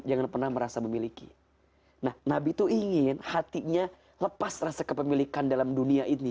jangan pernah merasa memiliki nah nabi itu ingin hatinya lepas rasa kepemilikan dalam dunia ini